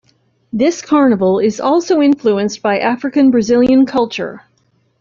This carnival is also influenced by African-Brazilian culture.